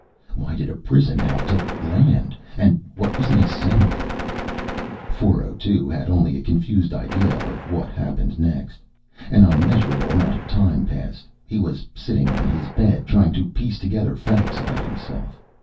Why did a prison have to land? And what was an assembly? 402 had only a confused idea of what happened next. An unmeasurable amount of time passed. He was sitting on his bed, trying to piece together facts about himself.